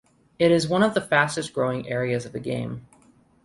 It is one of the fastest growing areas of the game.